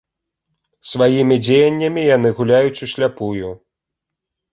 Сваімі дзеяннямі яны гуляюць усляпую.